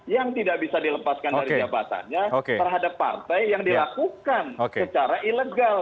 yang tidak bisa dilepaskan dari jabatannya terhadap partai yang dilakukan secara ilegal